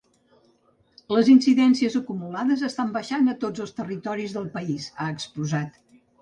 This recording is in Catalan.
Les incidències acumulades estan baixant a tots els territoris del país, ha exposat.